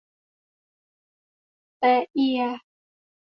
แต๊ะเอีย